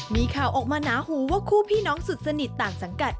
มีข่าวออกมาหนาหูว่าคู่พี่น้องสุดสนิทต่างสังกัด